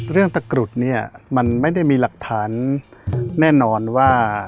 ตะกรุดเนี่ยมันไม่ได้มีหลักฐานแน่นอนว่า